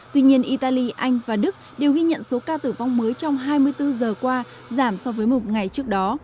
tuy nhiên italy anh và đức đều ghi nhận số ca tử vong mới trong hai mươi bốn giờ qua giảm so với một ngày trước đó